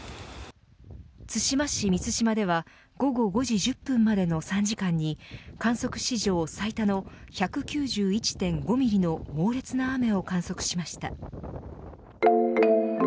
対馬市美津島では午後５時１０分までの３時間に観測史上最多の１９１．５ミリの猛烈な雨を観測しました。